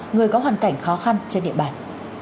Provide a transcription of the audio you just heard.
người có hoàn cảnh khó khăn trên địa bàn